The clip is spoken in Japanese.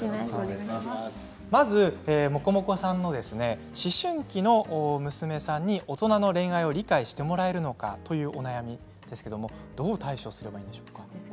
まず、もこもこさんの思春期の娘に大人の恋愛を理解してもらえるのかというお悩みどう対処すればいいでしょうか。